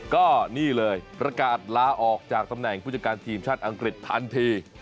ก็นี่เลยประกาศลาออกจากตำแหน่งผู้จัดการทีมชาติอังกฤษทันที